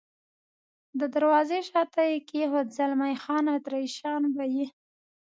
د دروازې شاته یې کېښود، زلمی خان: اتریشیان به یې.